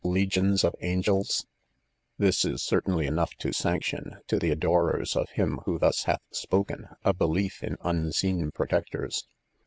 legions of angels ? y> Tliis is certainly enough to sanction, Xo the adorers of if Him who thus hath spoken, a belief in unseen protec tors.